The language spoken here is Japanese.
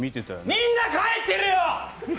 みんな帰ってるよ！